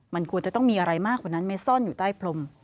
มันควรจะต้องมีอะไรมากกว่านั้นไม่ซ่อนอยู่ใต้พรม